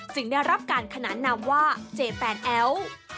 ได้รับการขนานนามว่าเจแปนแอ้ว